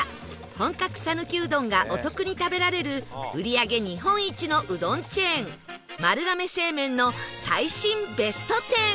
本格讃岐うどんがお得に食べられる売り上げ日本一のうどんチェーン丸亀製麺の最新ベスト１０